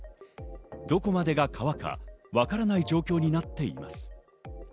どこまでが川かわからない状態になっています。